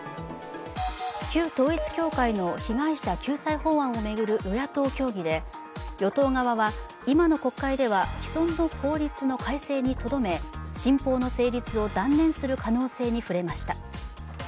旧統一教会の被害者救済法案を巡る与野党協議で与党側は今の国会では既存の法律の改正にとどめ新法の成立を断念する可能性に触れました。